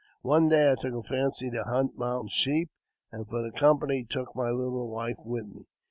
One day I took a fancy to hunt mountain sheep, and for company took my little wife with me.